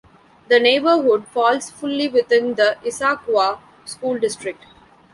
The neighborhood falls fully within the Issaquah School District.